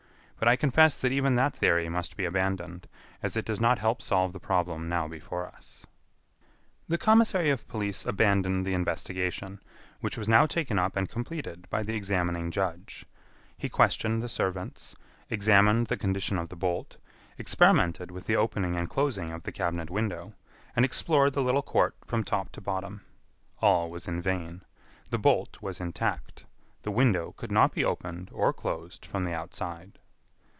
But I confess that even that theory must be abandoned, as it does not help solve the problem now before us." The commissary of police abandoned the investigation, which was now taken up and completed by the examining judge. He questioned the servants, examined the condition of the bolt, experimented with the opening and closing of the cabinet window, and explored the little court from top to bottom. All was in vain. The bolt was intact. The window could not be opened or closed from the outside.